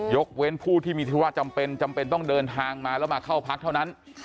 เว้นผู้ที่มีธุระจำเป็นจำเป็นต้องเดินทางมาแล้วมาเข้าพักเท่านั้น